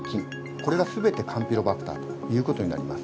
これが全てカンピロバクターという事になります。